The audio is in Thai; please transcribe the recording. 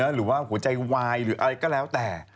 หรือว่าหัวใจวายหรืออะไรก็แล้วแต่